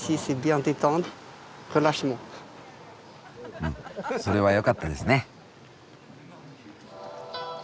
うんそれはよかったですね。